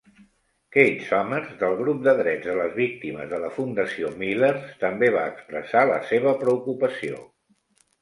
Kate Summers, del grup de drets de les víctimes de la Fundació Milers, també va expressar la seva preocupació.